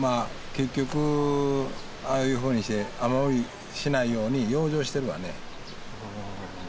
結局ああいうふうにして雨漏りしないように養生してるわね